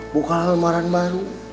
buka lamaran baru